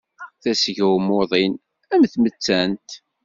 Tasga n umuḍin, a tamettant!